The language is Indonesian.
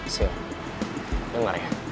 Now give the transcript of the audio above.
sil denger ya